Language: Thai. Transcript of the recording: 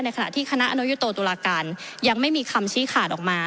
ขณะที่คณะอนุโตตุลาการยังไม่มีคำชี้ขาดออกมา